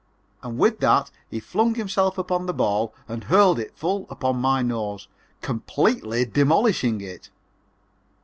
And with that he flung himself upon the ball and hurled it full upon my nose, completely demolishing it.